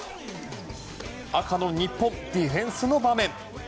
赤の日本、ディフェンスの場面。